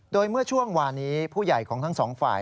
โดยเมื่อช่วงวานี้ผู้ใหญ่ของทั้งสองฝ่าย